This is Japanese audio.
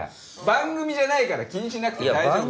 番組じゃないから気にしなくて大丈夫。